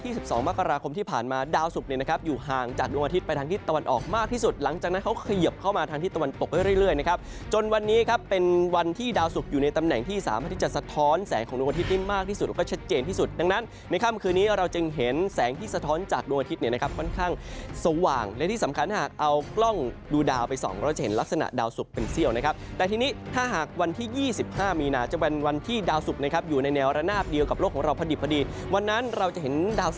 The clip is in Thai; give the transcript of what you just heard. ที่จะสะท้อนแสงของดวงอาทิตย์นี่มากที่สุดแล้วก็ชัดเจนที่สุดดังนั้นในค่ำคืนนี้เราจะเห็นแสงที่สะท้อนจากดวงอาทิตย์เนี่ยนะครับค่อนข้างสว่างและที่สำคัญหากเอากล้องดูดาวไปส่องเราจะเห็นลักษณะดาวสุกเป็นเสี่ยวนะครับแต่ทีนี้ถ้าหากวันที่๒๕เมนาจะเป็นวันที่ดาวสุกนะครับอยู่ในแนวระนาบเดียวกับโล